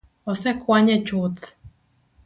Osekwanye chuth